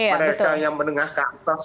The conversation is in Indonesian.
mereka yang menengah ke atas